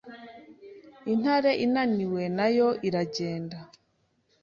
Intare inaniwe nayo iragenda